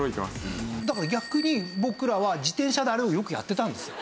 だから逆に僕らは自転車であれをよくやってたんですよ。